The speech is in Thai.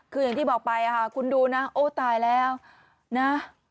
คืออย่างที่บอกไปค่ะคุณดูนะโอ้ตายแล้วนะ